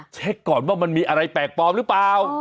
เช็คก่อนว่ามันมีอะไรแปลกปลอมหรือเปล่า